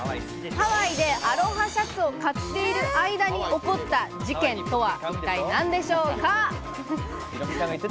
ハワイでアロハシャツを買っている間に起こった事件とは一体何でしょうか？